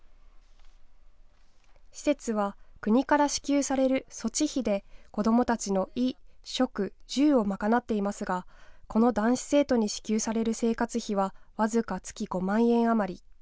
施設は国から支給される措置費で子どもたちの衣食住を賄っていますがこの男子生徒に支給される生活費は僅か月５万円余り。